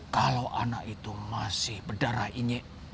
kalau anak itu masih berdarah ini